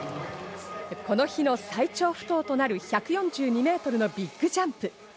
この日の最長不倒となる１４２メートルのビッグジャンプ。